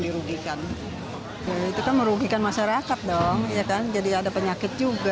itu kan merugikan masyarakat dong jadi ada penyakit juga